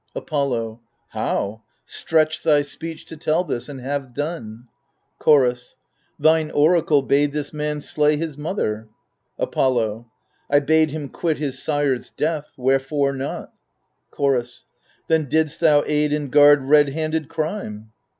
Apollo How ? stretch thy speech to tell this, and have done. Chorus Thine oracle bade this man slay his mother. Apollo 1 bade him quit his sire's death, — wherefore not ? Chorus Then didst thou aid and guard red handed crime.